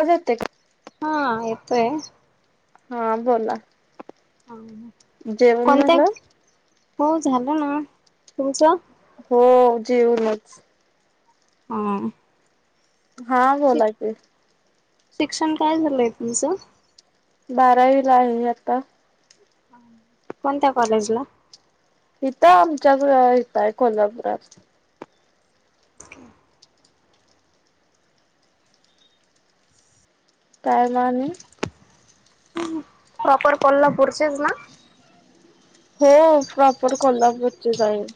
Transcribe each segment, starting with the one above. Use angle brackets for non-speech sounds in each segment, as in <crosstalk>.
हज त हा येतोय हा बोला जेवण कोणत्या झालं हो झालं ना तुमचं हो जेऊनच हम् हा बोला क शिक्षण काय झालंय तुमचं बारावीला आहे आता कोणत्या कॉलेजला इथं आमच्या इथंय कोल्हापुरात तमान प्रपर पलला पुडचेच ना हो प्रॉपर कोला बचे जाईल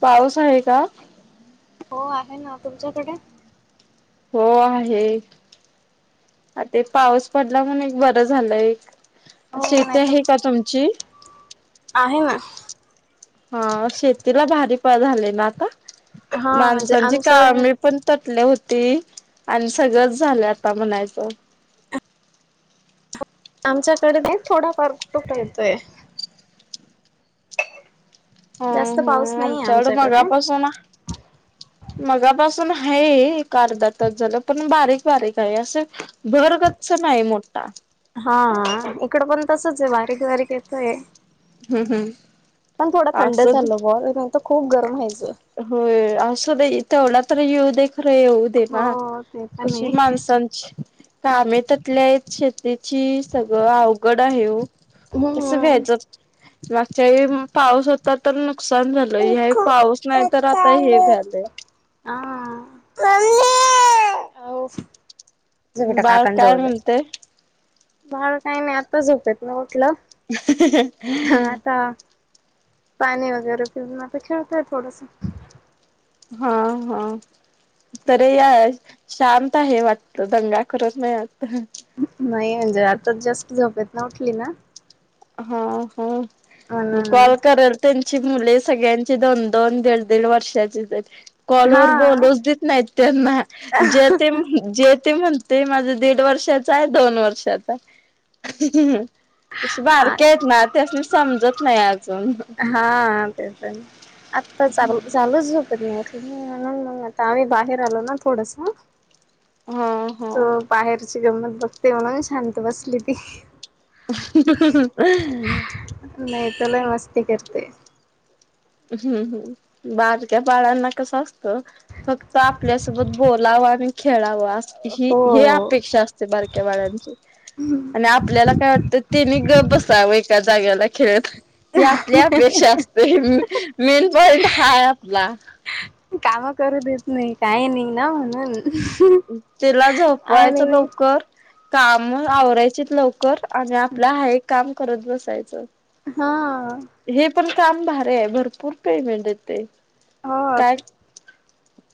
पाऊस आहे का हो आहे ना तुमच्याकडे हो आहे आ ते पाऊस पडला म्हण एक बरं झालं एक हो शेती नाही तर आहे का तुमची आहे ना हा शेतीला भारी पळ झाले ना आता हा म्हणजे माणसांची का आमचं म पण होती आणि सगळंच झालं आता म्हणायचं आमच्याकडे नाही थोडाफार उटुक राहतोय जास्त हम पाऊस ह नाहीये आमच्याकड आमच्याकडे मगापासून मगापासून पण आहे अर्धातात झालं पण बारीक बारीक आहे असं भरगचच नाही मोठा हा इकड पण तसच आहे बारीक बारीक येतोय हम हं पण थोडा थंड झाचाल बर खूप गरम आहेयच होय असं इथवढ तर येऊ दे खरे येऊ देवा हो ते पण कशी आहे माणसांची कामे त्यातल्या श त्याची सगळं अवघड आहे कसं हम्म घ्यायचं मागच्या पाऊस होता तर नुकसान झालं ह पाऊस हो नाही तर आता हे झालंय झोपट बाळ काकण काय जवळ जा म्हणते बाळ काही नाही आता झोपेत ना लं हा आता पाणी वगैरे पिऊण तर खेळतय थोडस हा हा त या शांत आहे वाटत दंगा करत नाहीत नाही म्हणजे आता जास्त झपेत ना उठली ना हा हा म म्हणून कॉल करलते मुले सगळ्यांचे दोन दन दीड दीड वर्षाची हा कॉलवर बडच देत नाहीत त्यांना जेथ जे ते म्हण ते माझं दीड वर्षाचा आहे दोन वर्षाचा त हा बारक्या आहेत ना ते अस समजत नाही अजून हा ते पण आत्ता चाल चालूच झोपत नाट आतामही बाहेर आलो ना थोडस हा होा त बाहेरची गंमत बघते म्हणून शांत बसली ती हम्म नाही तला मस्ती करते हम्म बाारक्या बाळांना कसं असतं फक्त आपल्यासोबत बोलाव आणि खेळावं ह हे हो अपेक्षा असते बारक्या बाड्यांची आणि आपल्याला काय वाटतं तेनी गप बसावं एका जागेला खेळत ह आपल्या अपेक्षा असते मीन प हाय आपला काम करू देत नाही काही नाही ना म्हणून त्याला आणि झोपवायचं लवकर काम आवरायचेत लवकर आणि आपल्या हा एक काम करत बसायचं हा हे पण काम भार आहे भरपूर पेमेंट येते हो काय ते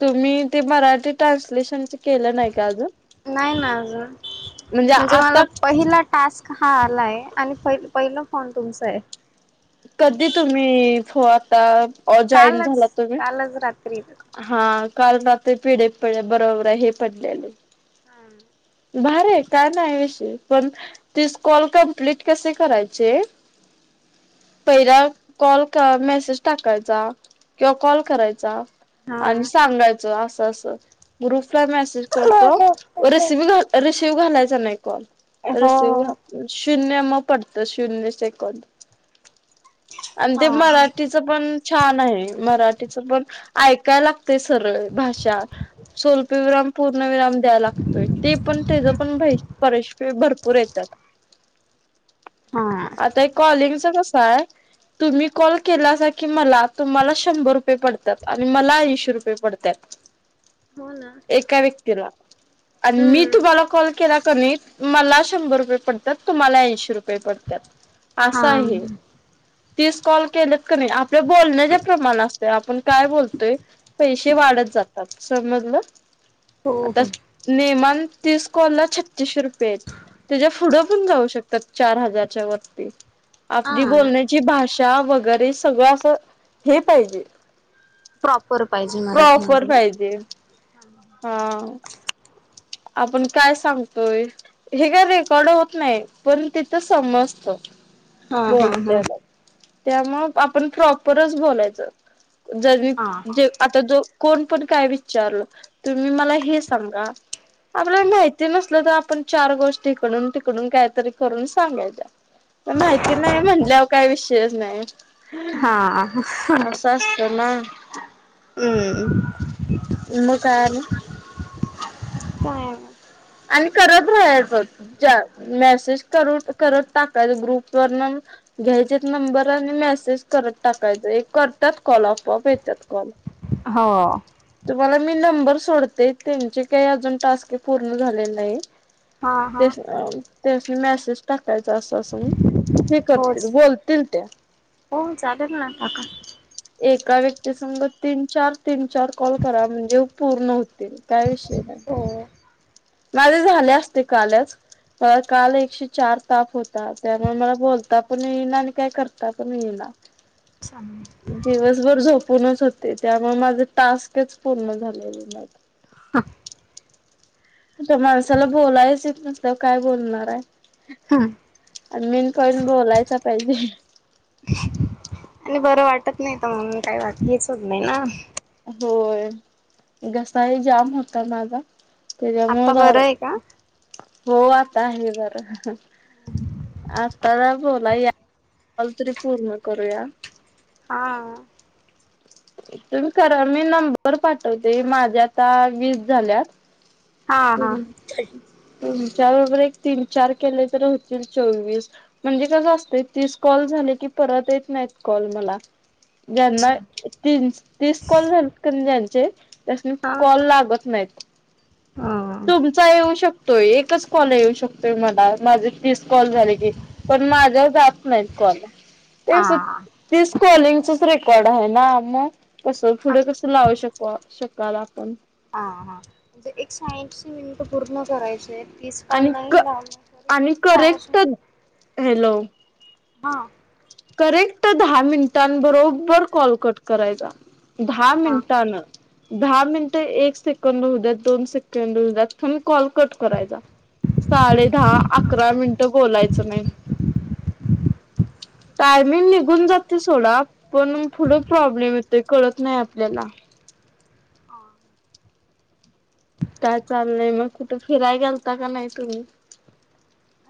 तुम्ही ते मराठी ट्रान्सलेशनच केलं नाही का अजून नाही ना अजून म्हणजे मला पहिला टास्क हा आलाय आणि प पहिला फोन तुमचा आहे कधी तुम्ही हो आता अजॉईन कालच झाला तुम्ही कालच रात्री हा कारणता पिढ प बरोबर आहे हे पडलेले हा भर आहे काय नाही विषय पण त स् कॉल कमप्लीट कसे करायचे पहिला कॉल मेसेज टाकायचा किंवा कॉल करायचा आणि हा सांगायचं असं असं गु मेसेज करतोस रिसीव घालायचा नाही ॉल तर हो शून्य मग पडतं शून्य सेकंद आणि ते हा मराठीच पण छान आहे मराठीच पण ऐकाय लागते सरळ भाषा स्वल्प विराम पूर्णविराम द्या लागतय ते पण त्या पण परश भरपूर येतात हा आता एक कॉलिंगच य तुम्ही कॉल केला की मला तुम्हाला शंभर रुपये पडतात आणि मला ऐंशी रुपये पडतय हो ना आणि मी हम्म तुम्हाला कॉल केला. कमी मला शंभर रुपये पडतात. तुम्हाला ऐंशी रुपये पडतात. हा असं आहे. तीस कॉल केलेत क नाही आपल्या बोलण्याच्या प्रमाण असते आपण काय बोलतोय पैसे वाढत जातात. समजलं. आता नेमान तीस कॉल ला छत्तीसशे रुपये आहेत. त्याच्या पुढं पण जाऊ शकतात. चार हजारच्या वरती. आपली हा बोलण्याची भाषा वगैरे सगळं असं हे पाहिजे. प्रॉपर पाहिजे प्रॉफर मराठीमध्ये ना पाहिजे. हा आपण काय सांगतोय. हे काय रेकॉर्ड होत नाही. पण तिथं समजत. ह ह ह त्यामुळ आपण प्रॉपरच बोलायचं. ज जे हा आता जो कोण पण काय विचारलं. तुम्ही मला हे सांगा आपल्याला माहिती नसल तर आपण चार गोष्टी इकडून तिकडून काहीतरी करून सांगायच्या. माहिती नाही म्हटल्यावर काय विषयच नाही. हा असं <unintelligible> हम्म मग काय आणि काय करत राहायच जा मेसेज करू करत टाकायच ग्रुप वरन घ्यायचेत नंबर आणि मेसेज करत टाकायच. एक करतात कॉल अपोआप येतात कॉल. तुमला मी नंबर सोडते. त्यांचे काही अजून टास्क पूर्ण झालेले नाही हा हा त्यांसनी अ त्यासनी मेसेज टाकते. त्याचं असं असं होऊन. नाही करतील होच बोलतील त्या. हो चालेल ना टाका. एका व्यक्तीसग तीन चार तीन चार कॉल करा. म्हणजे पूर्ण होतील. काय विषय नाही. हो माझे झाले असते कालच. अ काल एकशे चार ताप होता. त्यामुळे मला बोलता पण येईना. आणि काय करता पण येईना. दिवसभर झोप झोपूनच होते. त्यामुळे माझं टास्कच पूर्ण झालेल नाही. <unintelligible> आता माणसाला बोलायच येत नसल्यावर काय बोलणार आहे. आन मिन पण बोलायच पाहिजे. आणि बरं वाटत नाही त म्हणून काय हेच होत नाही ना. होय घसा ही जाम होता माझा. आता बरं त्याच्यामुळे आहे का हो आता आहे बरा. आता बोलाय यालाय त कॉल तरी पूर्ण करूया. हा तुम्ही करा मी नंबर पाठवते. माझे आता वीस झाल्यात. हा हा <unintelligible> त्याबरोबर एक तीन चार केले तर होतील चोवीस म्हणजे कसं असत तीस कॉल झाले की परत येत नाहीत कॉल मला. ज्यांना तीन तीस कॉल झालीत कनाही ज्याचे, त्यासनी हा कॉल लागत नाहीत. ह तुमचा येऊ शकतो. एक एकच कॉल येऊ शकतोय मला, माझे तीस कॉल झाले की. पण माझ्यावर जात नाहीत कॉल. हा तेच हा तीस कॉलिंगचच रेकॉर्ड आहे ना. मग कसं हा पुढे कसं लावू शकू शकाल आपण. हा हा. म्हणजे एकशे आईंशी मिनिटं पूर्ण करायचेत तीस कॉल आणि क नाही लावला तरी. आणि एकशे आईशी करेक्ट हॅलो हा करेक्ट दहा मिनिटां बरोबर कॉल कट करायचा. दहा हा मिनिटान. दहा मिनिटं एक सेकंद होऊद्यात दोन सेकंड होऊद्यात तुम्ही कॉल कट करायचा. साडे दहा अकरा मिनिटं बोलायचं नाही. <inaudible> टायमिंग निघून जाताय सोडा, पण पुढ प्रॉब्लेम येतोय कळत नाही आपल्याला हा. काय चाललंय मग कुठ फिरायला गेलता का नाही तुम्ही?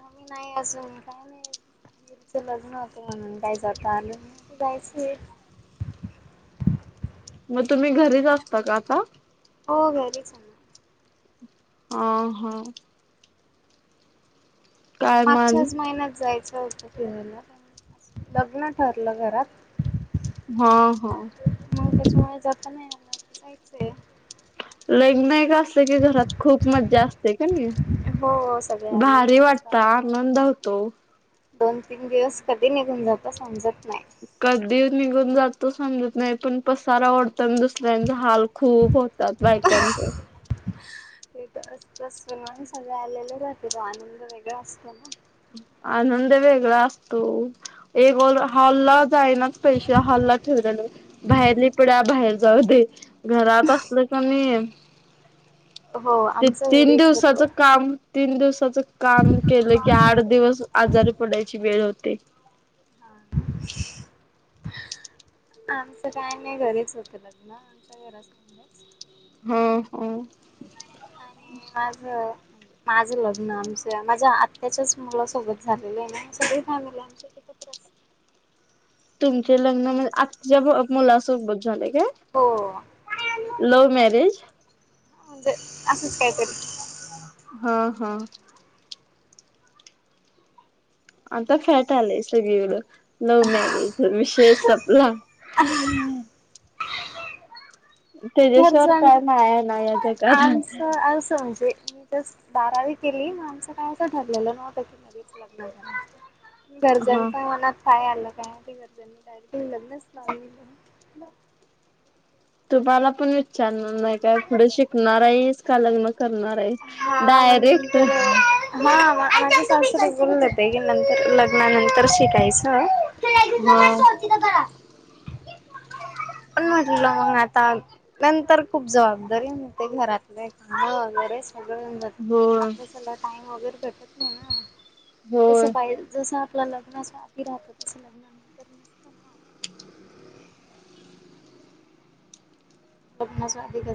आम्ही नाही आजुन काय नाही बहिणीच लग्न होत म्हणून काही जाता आल नही मग तुम्ही घरीच असता का आता? हो घरीच आहे मी आता. हा हा. काय मान मागच्याच महिन्यात जायचं होत. जायचं होत फिरायला पण लग्न ठरलं घरात हा हा.. हा त्याच्यामुळे जाता नाही आलं, आता जायचं आहे. लग्न एक असल की घरात खूप मज्जा असते कानाही. हो सगळे आलेले भारी वाटत राहता आनंद होतो. दोन तीन दिवस कधी निघून जाता समजत नाही. कधी निघून जातो समजत नाही पण पसारा ओढताना दुसऱ्यांच हाल खूप होतात. बायकांच सुना हे सगळे आलेले राहत्यात आनंद वेगळा असतो ना. आनंद वेगळा असतो. एक हॉल्ला जायलाच पैशा हॉल्ला ठेवलेला, बाहेर नि पुड्या बाहेर जाऊ दे घरात असल क मी, हो ते आमचं तीन घरीच दिवसाचं होतं काम तीन दिवसाच काम केलं कि, आठ दिवस आजारी पडायची वेळ येते हा. आमचं काय नाही घरीच होत लग्न आमच्या घरासमोरच हम्. आणि माझ माझं लग्न आमचं माझ्या आत्ता्याच्याच मुलासोबत झालेले आहे सगळी फॅमिली आमची खतरस <unintelligible> तुमचे लग्न म्हण आत्याच्या मुलासोबत झालं का? हो लव्ह मॅरेज ते आसचं कायतरी हा हा. आता फॅट आलंय सगळीकडं लव्ह मॅरेज विशेष आपला त्याच्याशिवाय घरज काय माया नाही या <unintelligible> आस जगात आस म्हणजे मी जस्ट बारावी केली आमचं काय असं ठरलेलं नव्हत कि लगेच लग्न करायचं हा घरच्यांच्या मनात काय आलं? आमच्या घरच्यांनी डायरेक्ट लग्नच लाऊन दिलं. तुम्हाला पण विचारणार नाही काय पुढे शिकणार आहेच का लग्न? करणार आहे डायरेक्ट माझ सासरी बोलले तेे कि, नंतर लग्नानंतर शिकायचं हा माणस होती कारा <unintelligible> पण म्हटलं मग आता नंतर खूप जबाबदारी म्हणते घरातले का वगैरे होय अभ्यासाला टाइम वगैरे भेटत नाही होय ना, जस आपलं लग्नाच्या आधी राहत, तसं लग्नानंतर नसत ना लग्नाच्या आधी कसं